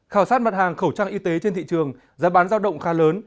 khảo sát mặt hàng khẩu trang y tế trên thị trường giá bán giao động khá lớn